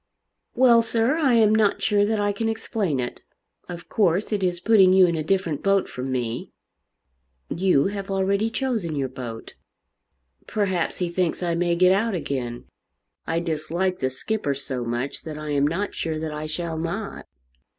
"Well, sir, I am not sure that I can explain it. Of course it is putting you in a different boat from me." "You have already chosen your boat." "Perhaps he thinks I may get out again. I dislike the skipper so much, that I am not sure that I shall not."